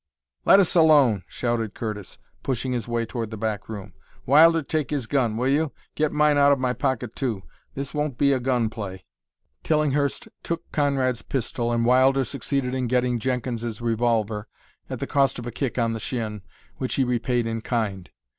"Let us alone!" shouted Curtis, pushing his way toward the back room. "Wilder, take his gun, will you? Get mine out of my pocket, too. This won't be a gun play." Tillinghurst took Conrad's pistol, and Wilder succeeded in getting Jenkins's revolver, at the cost of a kick on the shin, which he repaid in kind.